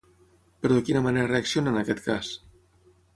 Però de quina manera reacciona en aquest cas?